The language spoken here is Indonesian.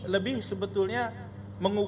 lebih sebetulnya mengukuhkan